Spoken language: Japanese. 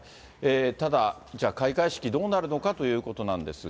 ただ、じゃあ開会式どうなるのかということなんですが。